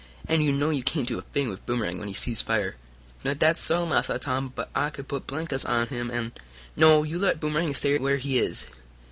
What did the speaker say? And you know you can't do a thing with Boomerang when he sees fire." "Now dat's so, Massa Tom. But I could put blinkers on him, an' " "No, you let Boomerang stay where he is.